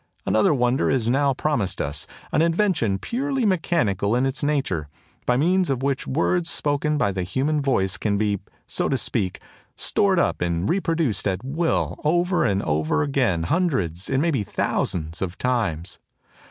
"Another wonder is now promised us an invention purely mechanical in its nature, by means of which words spoken by the human voice can be, so to speak, stored up and reproduced at will over and over again hundreds, it may be thousands, of times.